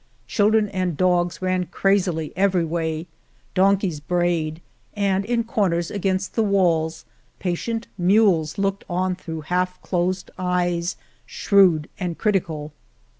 Children and dogs ran crazily every way, donkeys brayed, and in corners against the walls patient mules 183 The Morena looked on through half closed eyes, shrewd and critical.